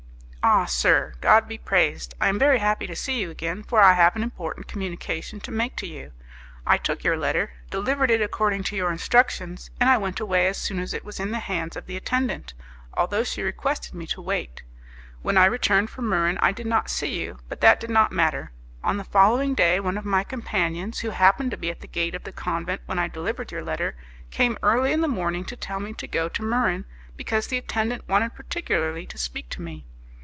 "Ah, sir! God be praised! I am very happy to see you again, for I have an important communication to make to you. I took your letter, delivered it according to your instructions, and I went away as soon as it was in the hands of the attendant, although she requested me to wait. When I returned from Muran I did not see you, but that did not matter. On the following day, one of my companions, who happened to be at the gate of the convent when I delivered your letter, came early in the morning to tell me to go to Muran, because the attendant wanted particularly to speak to me.